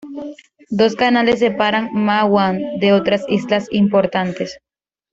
Dos canales separan Ma Wan de otras islas importantes.